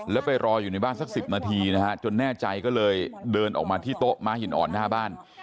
แล้วไปรออยู่ในบ้านสัก๑๐นาทีนะฮะจนแน่ใจก็เลยเดินออกมาที่โต๊ะม้าหินอ่อนหน้าบ้าน